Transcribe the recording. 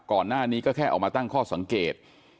ก่อนหน้านี้ก็แค่ออกมาตั้งข้อสังเกต